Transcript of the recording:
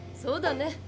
そうだね。